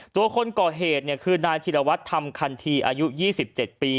ตัวคนก่อเหตุคือนายธิรวัตรธรรมคันทีอายุ๒๗ปี